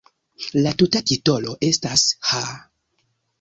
La tuta titolo estas "Ha!